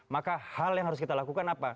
maka hal yang harus kita lakukan apa